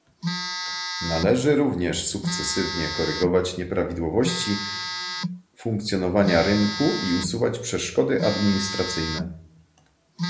Należy również sukcesywnie korygować nieprawidłowości funkcjonowania rynku i usuwać przeszkody administracyjne